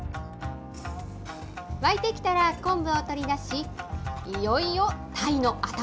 沸いてきたら、昆布を取り出し、いよいよタイの頭。